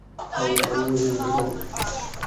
後日我會去美國